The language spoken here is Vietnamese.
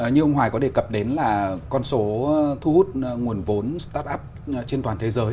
như ông hoài có đề cập đến là con số thu hút nguồn vốn startup trên toàn thế giới